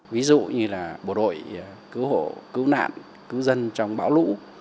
ví dụ như là bộ đội cứu hộ cứu nạn cứu dân trong bão lũ